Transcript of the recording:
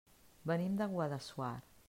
Venim de Guadassuar.